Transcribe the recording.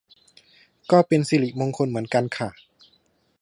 ก็เป็นสิริมงคลเหมือนกันค่ะ